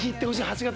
８月！